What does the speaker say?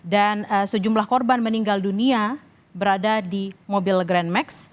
dan sejumlah korban meninggal dunia berada di mobil grand max